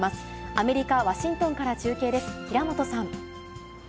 アメリカ・ワシントンから中継です。